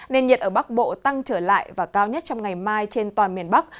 nên nhiệt ở bắc bộ tăng trở lại và cao nhất trong ngày mai trên toàn miền bắc